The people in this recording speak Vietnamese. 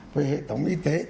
về hệ thống y tế